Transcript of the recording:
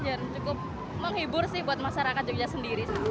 dan cukup menghibur sih buat masyarakat yogyakarta sendiri